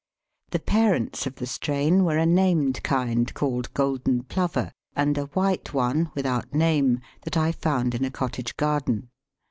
The parents of the strain were a named kind, called Golden Plover, and a white one, without name, that I found in a cottage garden.